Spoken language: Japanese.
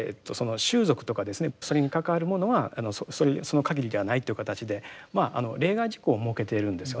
それに関わるものはその限りではないっていう形でまあ例外事項を設けているんですよね。